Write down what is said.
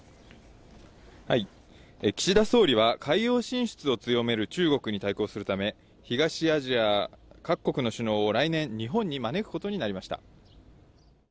岸田総理は、海洋進出を強める中国に対抗するため、東アジア各国の首脳を来年、日本に招くことになりました。